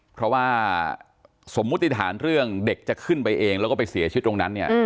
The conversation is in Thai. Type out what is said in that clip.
เพราะว่าสมมุติฐานเรื่องเด็กจะขึ้นไปเองแล้วก็ไปเสียชีวิตตรงนั้นเนี่ย